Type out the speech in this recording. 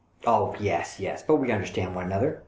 " Oh, yes, yes, but we understand one another.